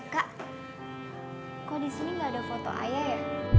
kak kok disini gak ada foto ayah ya